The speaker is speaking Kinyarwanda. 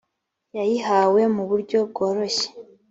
yayihawe mu buryo bworoshye